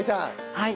はい。